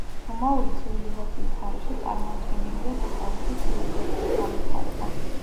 რომაული ცივილიზაციის გარეშე წარმოუდგენელია დასავლური ცივილიზაციის განვითარება.